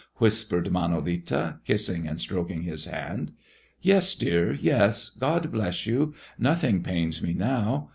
whispered Manolita, kissing and stroking his hand. "Yes, dear, yes, God bless you! Nothing pains me now.